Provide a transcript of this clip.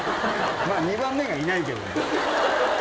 ２番目がいないけどね。